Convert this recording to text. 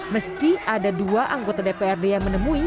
meski ada dua anggota dprd yang menemui